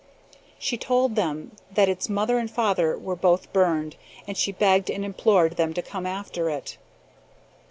She told them that its mother and father were both burned, and she begged and implored them to come after it.